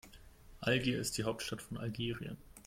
Algier ist die Hauptstadt von Algerien.